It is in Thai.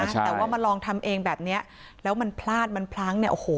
แต่ว่ามาลองทำเองแบบเนี้ยแล้วมันพลาดมันพลั้งเนี่ยโอ้โห